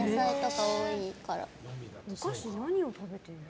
お菓子、何を食べてるの？